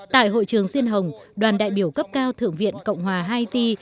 tại hội trường diên hồng đoàn đại biểu cấp cao thượng viện cộng hòa haiti